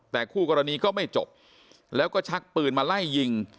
แต่คู่กรณีก็ไม่จบแล้วก็ชักปืนมาไล่ยิง